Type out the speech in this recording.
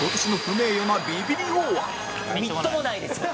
みっともないです！